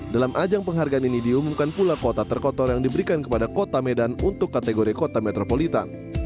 dalam ajang penghargaan ini diumumkan pula kota terkotor yang diberikan kepada kota medan untuk kategori kota metropolitan